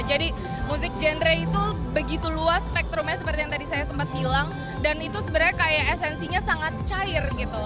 jadi musik genre itu begitu luas spektrumnya seperti yang tadi saya sempat bilang dan itu sebenarnya kayak esensinya sangat cair gitu